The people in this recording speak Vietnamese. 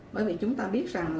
bởi vì chúng ta biết rằng